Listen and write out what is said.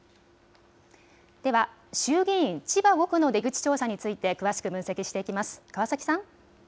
では、衆議院千葉５区の出口調査詳しく分析していきます。